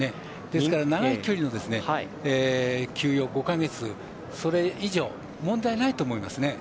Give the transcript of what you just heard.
ですから長い休養５か月、それ以上問題ないと思いますね。